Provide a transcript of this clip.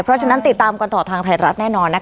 เพราะฉะนั้นติดตามกันต่อทางไทยรัฐแน่นอนนะคะ